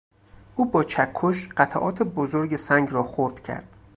او با چکش قطعات بزرگ سنگ را خرد کرد.